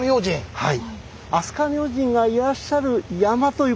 はい。